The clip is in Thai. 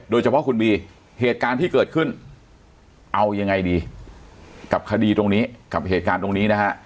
โดยเฉพาะคุณบีเหตุการณ์ที่เกิดขึ้นเอายังไงดีกับคดีตรงนี้กับเหตุการณ์ตรงนี้นะฮะ